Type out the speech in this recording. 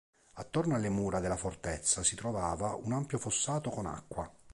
Attorno alle mura della fortezza si trovava un ampio fossato con acqua.